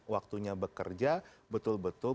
waktunya bekerja betul betul